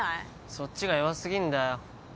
そっちが弱すぎんだよ